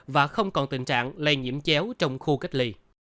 và không còn tình trạng lây nhiễm chéo trong khu cách ly